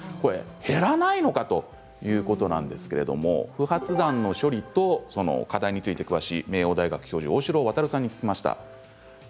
減らないのかということなんですけれども、不発弾の処理と課題について詳しい名桜大学教授の大城渡さんに聞きました。